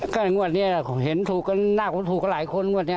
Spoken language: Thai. ก็ในงวัดนี้เห็นถูกกันกเป็นถูกกับหลายคนในงวัดนี้